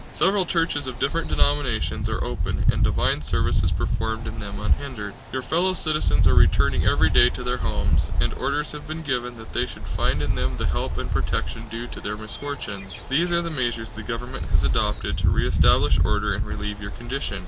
Several churches of different denominations are open, and divine service is performed in them unhindered. Your fellow citizens are returning every day to their homes and orders have been given that they should find in them the help and protection due to their misfortunes. These are the measures the government has adopted to re establish order and relieve your condition.